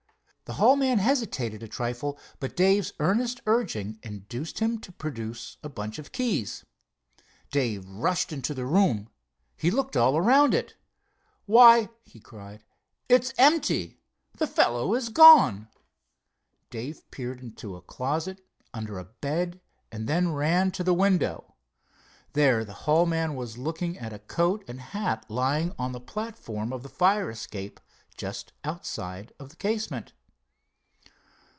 The hall man hesitated a trifle, but Dave's earnest urging induced him to produce a bunch of keys. Dave rushed into the room. He looked all around it. "Why," he cried, "it's empty! The fellow is gone!" Dave peered into a closet, under a bed, and then ran to the window. There the hall man was looking at a coat and hat lying on the platform of the fire escape, just outside of the casement.